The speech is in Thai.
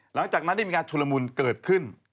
หลังจากนั้นได้มีการชุลมุนเกิดขึ้น